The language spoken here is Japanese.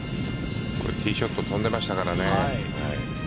これティーショット飛んでましたからね。